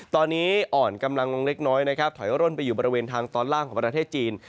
ตอนนี้อ่อนกำลังเล็กถอยอ้อนไปอยู่บริเวณทางตอนล่างของประเทศจีน